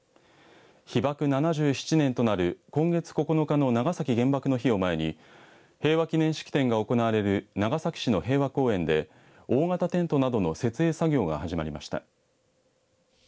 被爆７７年となる今月９日の長崎原爆の日を前に平和祈念式典が行われる長崎市の平和公園で大型テントなどの設営作業が始まりました。